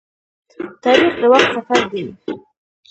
تاریخ د وخت سفر دی.